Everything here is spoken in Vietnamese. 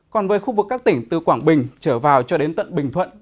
còn với khu vực các tỉnh từ quảng bình trở vào cho đến tận bình thuận